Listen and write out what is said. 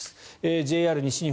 ＪＲ西日本